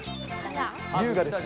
優雅ですね。